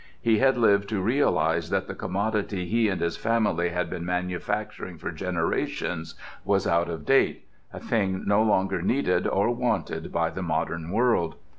He had lived to realize that the commodity he and his family had been manufacturing for generations was out of date, a thing no longer needed or wanted by the modern world.